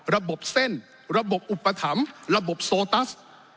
ระบบเส้นระบบอุปถัมภ์ระบบโซตัส